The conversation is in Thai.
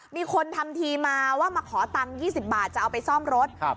มีคนทำทีมาว่ามาขอตังค์๒๐บาทจะเอาไปซ่อมรถ